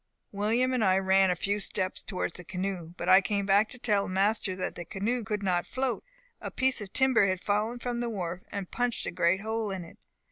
"William and I ran a few steps toward the canoe, but I came back to tell master that the canoe could not float a piece of timber had fallen from the wharf, and punched a great hole in it.